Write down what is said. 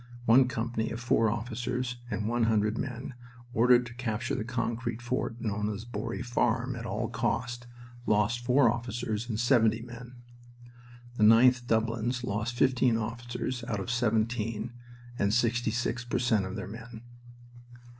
One company of four officers and one hundred men, ordered to capture the concrete fort known as Borry Farm, at all cost, lost four officers and seventy men. The 9th Dublins lost fifteen officers out of seventeen, and 66 per cent of their men.